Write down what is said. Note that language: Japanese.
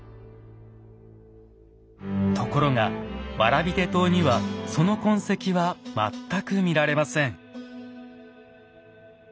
ところが蕨手刀にはその痕跡は全く見られません。